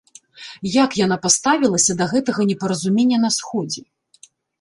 Як яна паставілася да гэтага непаразумення на сходзе?